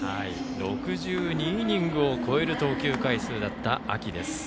６２イニングを超える投球回数だった秋です。